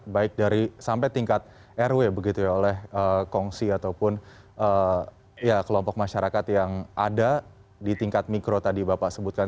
baik dari sampai tingkat rw begitu ya oleh kongsi ataupun kelompok masyarakat yang ada di tingkat mikro tadi bapak sebutkan